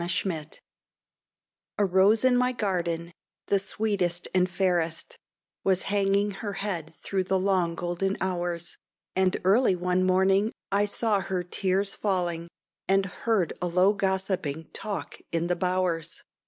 THE GOSSIPS A rose in my garden, the sweetest and fairest, Was hanging her head through the long golden hours; And early one morning I saw her tears falling, And heard a low gossiping talk in the bowers.